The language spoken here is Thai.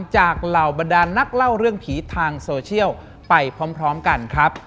เหล่าบรรดานนักเล่าเรื่องผีทางโซเชียลไปพร้อมกันครับ